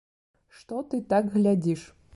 Што ты так глядзіш?